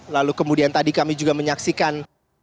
lalu kemudian tadi kami juga menyaksikan